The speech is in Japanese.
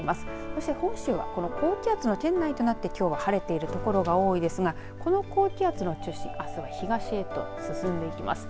そして本州は高気圧の圏内となってきょうは晴れている所が多いですがこの高気圧の中心あすは東へと進んでいきます。